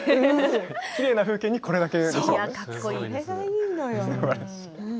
きれいな風景にこれだけですよね。